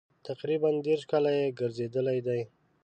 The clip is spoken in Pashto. تقریبا دېرش کاله یې ګرځېدلي دي.